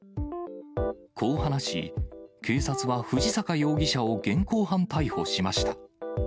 こう話し、警察は藤坂容疑者を現行犯逮捕しました。